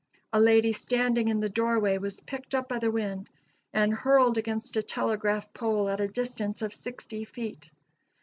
A lady standing in the doorway was picked up by the wind and hurled against a telegraph pole at a distance of sixty feet.